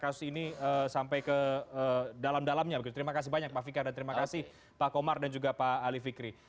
kasus ini sampai ke dalam dalamnya terima kasih banyak pak fikar dan terima kasih pak komar dan juga pak ali fikri